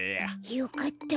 よかった。